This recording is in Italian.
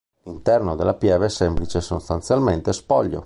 L'interno della pieve è semplice e sostanzialmente spoglio.